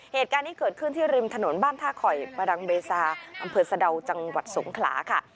เหตุการณ์นี้เกิดขึ้นที่ริมถนนบ้านท่าข่อยประดังเบซาอำเภอสะดาวจังหวัดสงขลาค่ะ